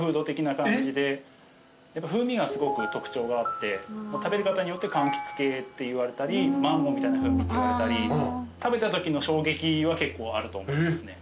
やっぱ風味がすごく特徴があって食べる方によってかんきつ系って言われたりマンゴーみたいな風味って言われたり食べたときの衝撃は結構あると思いますね。